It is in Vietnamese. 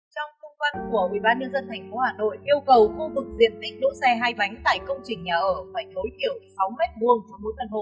trong công văn của ubnd tp hà nội yêu cầu khu vực diện tích đỗ xe hai bánh tại công trình nhà ở phải tối thiểu sáu m hai cho mỗi căn hộ